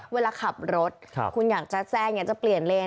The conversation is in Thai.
เวลาขับรถคุณจะแซงปล้ยเอ็นเล็น